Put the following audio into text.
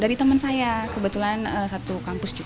dari teman saya kebetulan satu kampus juga